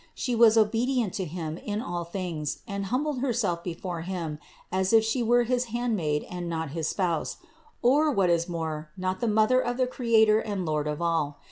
She was obedient to him in all things and humbled Herself before him as if She were his handmaid and not his spouse, or, what is more, not the Mother of the Creator and Lord of all.